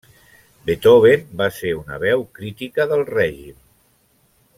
Beethoven va ser una veu crítica del règim.